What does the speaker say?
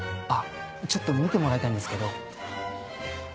あっちょっと見てもらいたいんですけど。